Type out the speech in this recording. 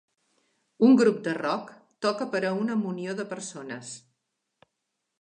Un grup de rock toca per a una munió de persones.